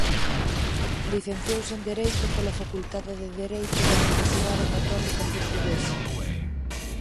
Licenciouse en Dereito pola Facultade de Dereito da Universidade Católica Portuguesa.